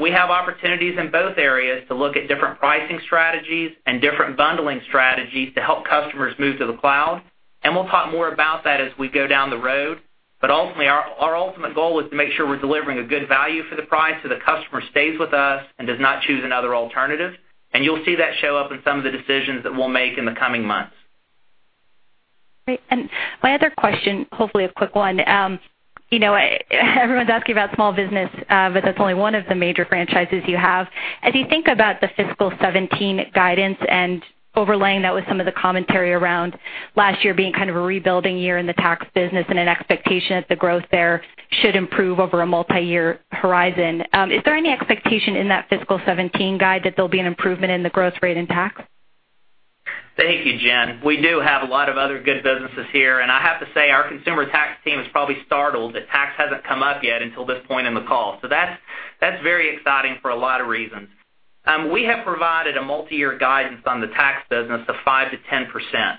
We have opportunities in both areas to look at different pricing strategies and different bundling strategies to help customers move to the cloud. We'll talk more about that as we go down the road. Ultimately, our ultimate goal is to make sure we're delivering a good value for the price so the customer stays with us and does not choose another alternative. You'll see that show up in some of the decisions that we'll make in the coming months. Great. My other question, hopefully a quick one. Everyone's asking about small business, but that's only one of the major franchises you have. As you think about the fiscal 2017 guidance and overlaying that with some of the commentary around last year being kind of a rebuilding year in the tax business and an expectation that the growth there should improve over a multi-year horizon, is there any expectation in that fiscal 2017 guide that there'll be an improvement in the growth rate in tax? Thank you, Jen. We do have a lot of other good businesses here. I have to say, our consumer tax team is probably startled that tax hasn't come up yet until this point in the call. That's very exciting for a lot of reasons. We have provided a multi-year guidance on the tax business of 5%-10%.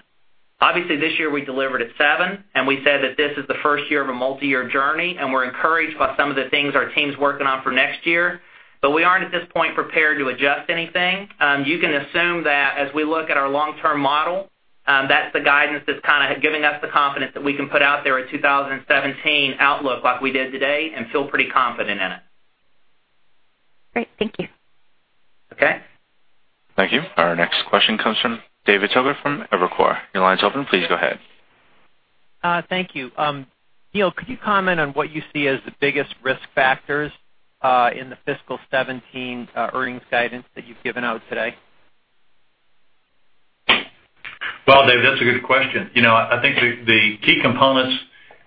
Obviously, this year we delivered at 7%. We said that this is the first year of a multi-year journey. We're encouraged by some of the things our team's working on for next year. We aren't, at this point, prepared to adjust anything. You can assume that as we look at our long-term model, that's the guidance that's kind of giving us the confidence that we can put out there a 2017 outlook like we did today and feel pretty confident in it. Great. Thank you. Okay. Thank you. Our next question comes from David Togut from Evercore. Your line's open. Please go ahead. Thank you. Neil, could you comment on what you see as the biggest risk factors in the fiscal 2017 earnings guidance that you've given out today? Well, Dave, that's a good question. I think the key components,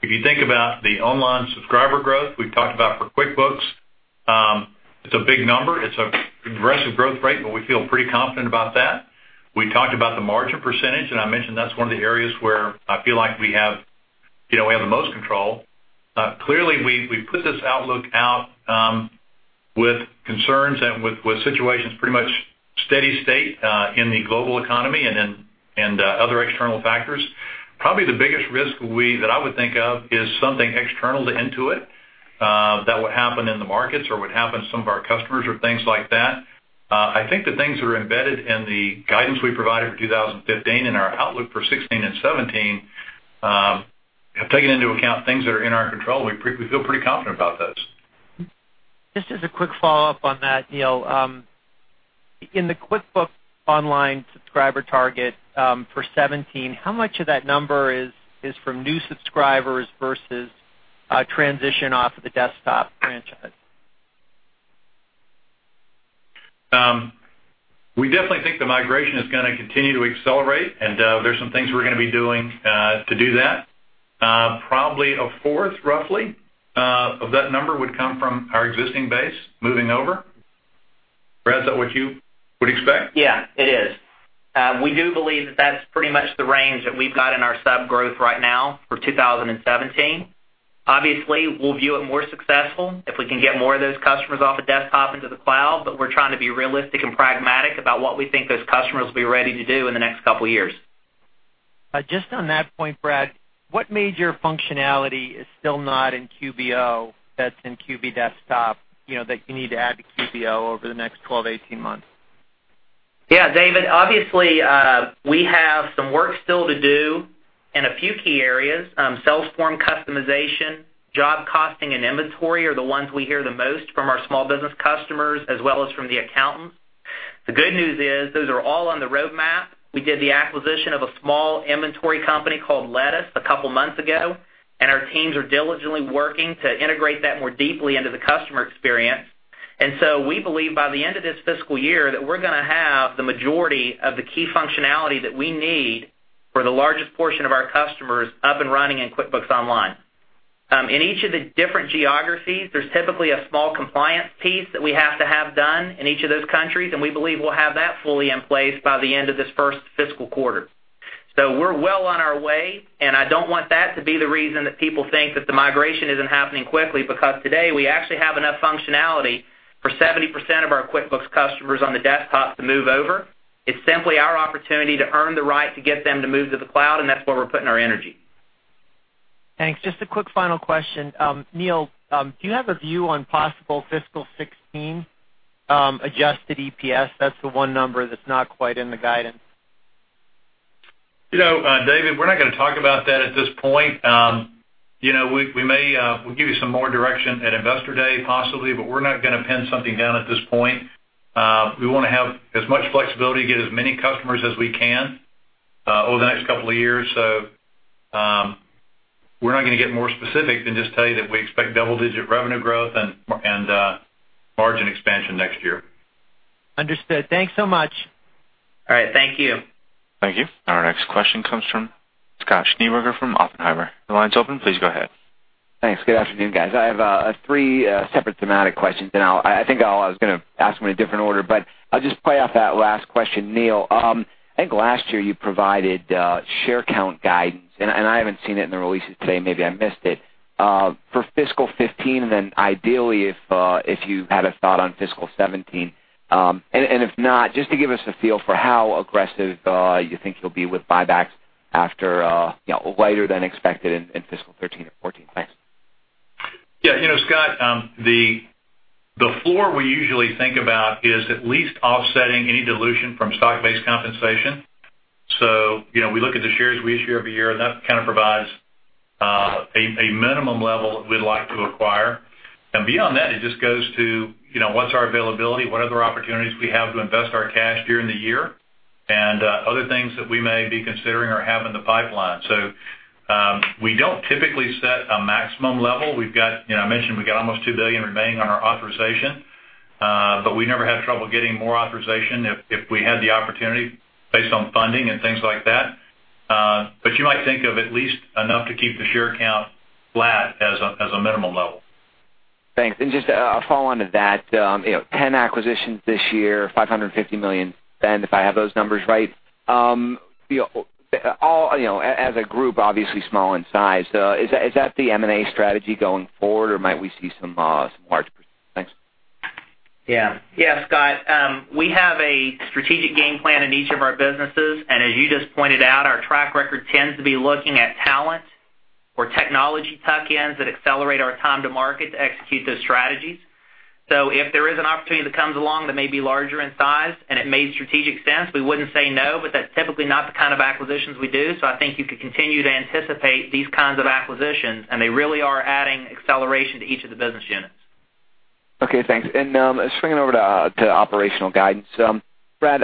if you think about the online subscriber growth we've talked about for QuickBooks, it's a big number. It's an aggressive growth rate, but we feel pretty confident about that. We talked about the margin percentage, and I mentioned that's one of the areas where I feel like we have the most control. Clearly, we put this outlook out with concerns and with situations pretty much steady state in the global economy and other external factors. Probably the biggest risk that I would think of is something external to Intuit that would happen in the markets or would happen to some of our customers or things like that. I think the things that are embedded in the guidance we provided for 2015 and our outlook for 2016 and 2017, have taken into account things that are in our control. We feel pretty confident about those. Just as a quick follow-up on that, Neil. In the QuickBooks Online subscriber target for 2017, how much of that number is from new subscribers versus a transition off of the Desktop franchise? We definitely think the migration is going to continue to accelerate, and there's some things we're going to be doing to do that. Probably a fourth, roughly, of that number would come from our existing base moving over. Brad, is that what you would expect? Yeah, it is. We do believe that that's pretty much the range that we've got in our sub growth right now for 2017. Obviously, we'll view it more successful if we can get more of those customers off of Desktop into the cloud, but we're trying to be realistic and pragmatic about what we think those customers will be ready to do in the next couple of years. Just on that point, Brad, what major functionality is still not in QBO that's in QB Desktop that you need to add to QBO over the next 12, 18 months? Yeah, David. Obviously, we have some work still to do in a few key areas. Sales form customization, job costing, and inventory are the ones we hear the most from our small business customers, as well as from the accountants. The good news is those are all on the roadmap. We did the acquisition of a small inventory company called Lettuce a couple of months ago, and our teams are diligently working to integrate that more deeply into the customer experience. We believe by the end of this fiscal year, that we're going to have the majority of the key functionality that we need for the largest portion of our customers up and running in QuickBooks Online. In each of the different geographies, there's typically a small compliance piece that we have to have done in each of those countries, and we believe we'll have that fully in place by the end of this first fiscal quarter. We're well on our way, and I don't want that to be the reason that people think that the migration isn't happening quickly, because today, we actually have enough functionality for 70% of our QuickBooks customers on the Desktop to move over. It's simply our opportunity to earn the right to get them to move to the cloud, and that's where we're putting our energy. Thanks. Just a quick final question. Neil, do you have a view on possible fiscal 2016 adjusted EPS? That's the one number that's not quite in the guidance. David, we're not gonna talk about that at this point. We'll give you some more direction at Investor Day, possibly. We're not gonna pin something down at this point. We wanna have as much flexibility to get as many customers as we can over the next couple of years. We're not gonna get more specific than just tell you that we expect double-digit revenue growth and margin expansion next year. Understood. Thanks so much. All right. Thank you. Thank you. Our next question comes from Scott Schneeberger from Oppenheimer. Your line's open. Please go ahead. Thanks. Good afternoon, guys. I have three separate thematic questions. I think I was gonna ask them in a different order, but I'll just play off that last question. Neil, I think last year you provided share count guidance. I haven't seen it in the releases today, maybe I missed it. For fiscal 2015, then ideally if you had a thought on fiscal 2017. If not, just to give us a feel for how aggressive you think you'll be with buybacks after later than expected in fiscal 2013 and 2014. Thanks. Yeah. Scott, the floor we usually think about is at least offsetting any dilution from stock-based compensation. We look at the shares we issue every year, and that kind of provides a minimum level we'd like to acquire. Beyond that, it just goes to what's our availability, what other opportunities we have to invest our cash during the year, and other things that we may be considering or have in the pipeline. We don't typically set a maximum level. I mentioned we got almost $2 billion remaining on our authorization. We never had trouble getting more authorization if we had the opportunity based on funding and things like that. You might think of at least enough to keep the share count flat as a minimal level. Thanks. Just a follow-on to that. 10 acquisitions this year, $550 million spend, if I have those numbers right. As a group, obviously small in size. Is that the M&A strategy going forward, or might we see some large Scott. We have a strategic game plan in each of our businesses, as you just pointed out, our track record tends to be looking at talent or technology tuck-ins that accelerate our time to market to execute those strategies. If there is an opportunity that comes along that may be larger in size and it made strategic sense, we wouldn't say no, but that's typically not the kind of acquisitions we do. I think you could continue to anticipate these kinds of acquisitions, and they really are adding acceleration to each of the business units. Thanks. Swinging over to operational guidance. Brad,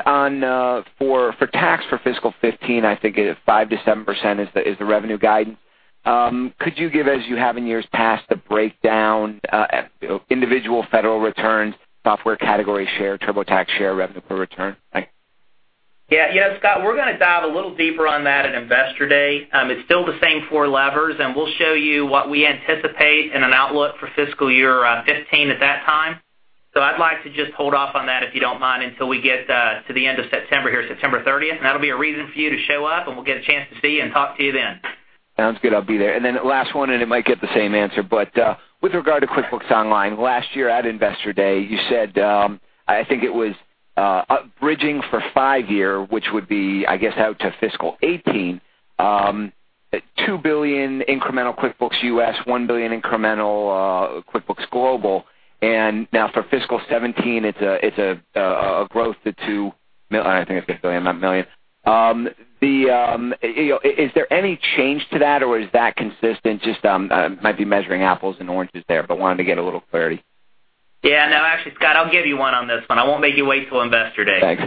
for tax for fiscal 2015, I think it is 5%-7% is the revenue guidance. Could you give, as you have in years past, the breakdown, individual federal returns, software category share, TurboTax share, revenue per return? Thanks. Scott, we're going to dive a little deeper on that at Investor Day. It's still the same four levers, and we'll show you what we anticipate in an outlook for fiscal year 2015 at that time. I'd like to just hold off on that, if you don't mind, until we get to the end of September here, September 30th. That'll be a reason for you to show up, and we'll get a chance to see you and talk to you then. Sounds good. I'll be there. Last one, and it might get the same answer, with regard to QuickBooks Online, last year at Investor Day, you said, I think it was bridging for five-year, which would be, I guess, out to fiscal 2018, $2 billion incremental QuickBooks U.S., $1 billion incremental QuickBooks Global. Now for fiscal 2017, it's a growth to $2, I think it's billion, not million. Is there any change to that, or is that consistent? Just might be measuring apples and oranges there, but wanted to get a little clarity. Yeah, no, actually, Scott, I'll give you one on this one. I won't make you wait till Investor Day. Thanks.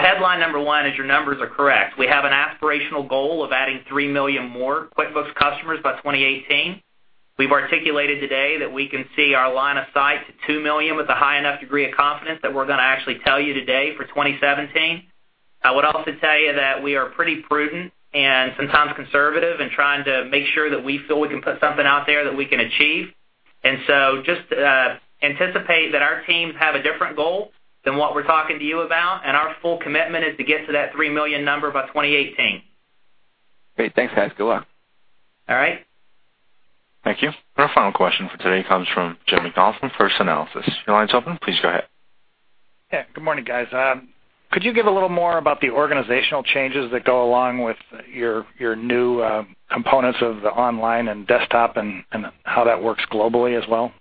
Headline number one is your numbers are correct. We have an aspirational goal of adding 3 million more QuickBooks customers by 2018. We've articulated today that we can see our line of sight to 2 million with a high enough degree of confidence that we're gonna actually tell you today for 2017. I would also tell you that we are pretty prudent and sometimes conservative in trying to make sure that we feel we can put something out there that we can achieve. Just anticipate that our teams have a different goal than what we're talking to you about, and our full commitment is to get to that 3 million number by 2018. Great. Thanks, guys. Good luck. All right. Thank you. Our final question for today comes from Jim Macdonald from First Analysis. Your line's open. Please go ahead. Good morning, guys. Could you give a little more about the organizational changes that go along with your new components of the online and desktop and how that works globally as well?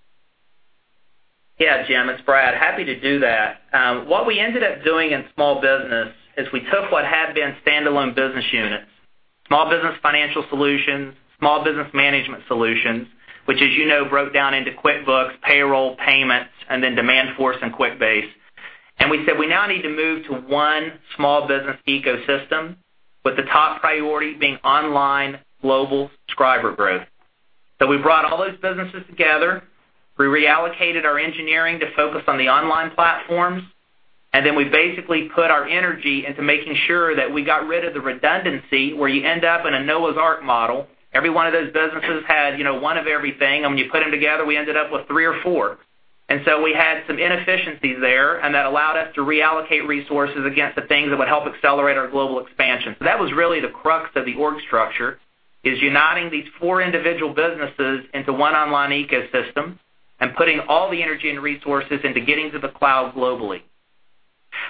Jim, it's Brad. Happy to do that. What we ended up doing in small business is we took what had been standalone business units Small business financial solutions, Small Business Management Solutions, which as you know, broke down into QuickBooks, payroll, payments, and then Demandforce and QuickBase. We said we now need to move to one small business ecosystem, with the top priority being online global subscriber growth. We brought all those businesses together, we reallocated our engineering to focus on the online platforms, and then we basically put our energy into making sure that we got rid of the redundancy where you end up in a Noah's Ark model. Every one of those businesses had one of everything, and when you put them together, we ended up with three or four. We had some inefficiencies there, and that allowed us to reallocate resources against the things that would help accelerate our global expansion. That was really the crux of the org structure, is uniting these four individual businesses into one online ecosystem and putting all the energy and resources into getting to the cloud globally.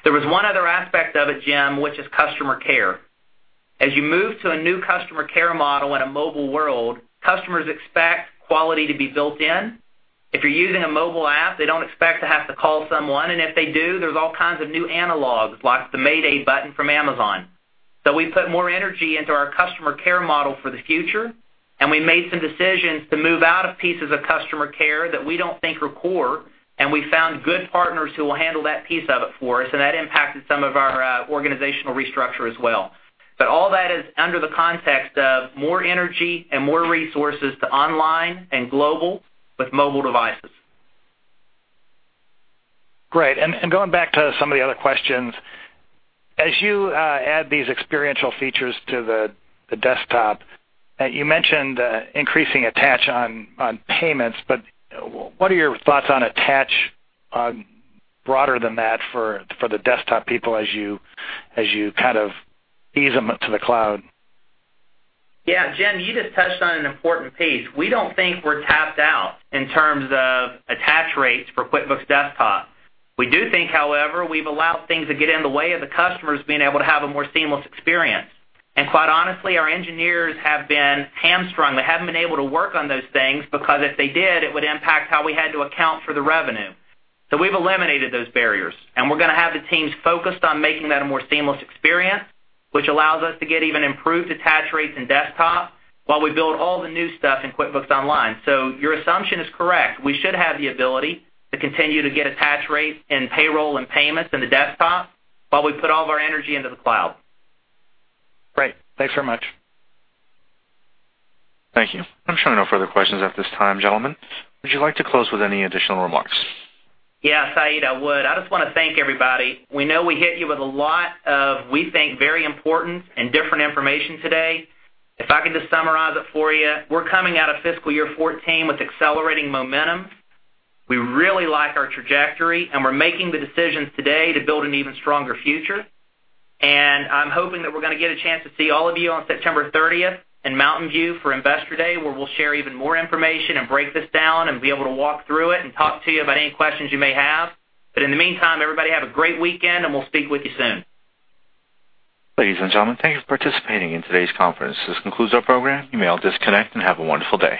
There was one other aspect of it, Jim, which is customer care. As you move to a new customer care model in a mobile world, customers expect quality to be built in. If you're using a mobile app, they don't expect to have to call someone, and if they do, there's all kinds of new analogs, like the Mayday button from Amazon. We put more energy into our customer care model for the future. We made some decisions to move out of pieces of customer care that we don't think are core. We found good partners who will handle that piece of it for us. That impacted some of our organizational restructure as well. All that is under the context of more energy and more resources to online and global with mobile devices. Great. Going back to some of the other questions, as you add these experiential features to the Desktop, you mentioned increasing attach on Payments. What are your thoughts on attach broader than that for the Desktop people as you kind of ease them into the cloud? Yeah. Jim, you just touched on an important piece. We don't think we're tapped out in terms of attach rates for QuickBooks Desktop. We do think, however, we've allowed things to get in the way of the customers being able to have a more seamless experience. Quite honestly, our engineers have been hamstrung. They haven't been able to work on those things because if they did, it would impact how we had to account for the revenue. We've eliminated those barriers. We're going to have the teams focused on making that a more seamless experience, which allows us to get even improved attach rates in Desktop while we build all the new stuff in QuickBooks Online. Your assumption is correct. We should have the ability to continue to get attach rates in Payroll and Payments in the Desktop while we put all of our energy into the cloud. Great. Thanks very much. Thank you. I'm showing no further questions at this time, gentlemen. Would you like to close with any additional remarks? Yeah, Saeed, I would. I just want to thank everybody. We know we hit you with a lot of, we think, very important and different information today. If I could just summarize it for you, we're coming out of fiscal year 2014 with accelerating momentum. We really like our trajectory, and we're making the decisions today to build an even stronger future. I'm hoping that we're going to get a chance to see all of you on September 30th in Mountain View for Investor Day, where we'll share even more information and break this down and be able to walk through it and talk to you about any questions you may have. In the meantime, everybody have a great weekend, and we'll speak with you soon. Ladies and gentlemen, thank you for participating in today's conference. This concludes our program. You may all disconnect, and have a wonderful day.